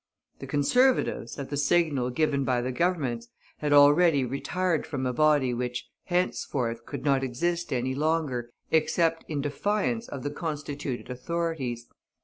The Conservatives, at the signal given by the Governments, had already retired from a body which, henceforth, could not exist any longer, except in defiance of the constituted authorities.